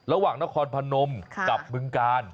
ระหว่างนครพนมกับบึงกาล